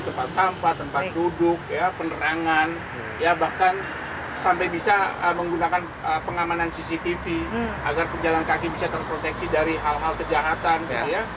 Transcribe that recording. tempat sampah tempat duduk ya penerangan ya bahkan sampai bisa menggunakan pengamanan cctv agar pejalan kaki bisa terproteksi dari hal hal kejahatan gitu ya